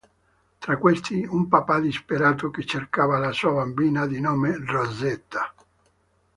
Tra questi un papà disperato che cercava la sua bambina di nome Rosetta.